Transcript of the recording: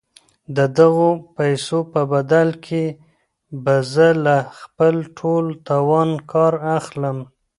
د دغو پيسو په بدل کې به زه له خپل ټول توانه کار اخلم.